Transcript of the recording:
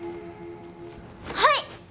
はい！